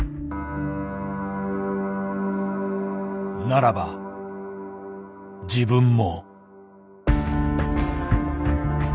ならば自分も。